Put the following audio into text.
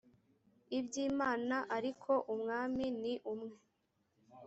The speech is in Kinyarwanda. iby imana ariko umwami ni umwe